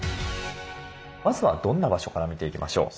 まずはどんな場所から見ていきましょう？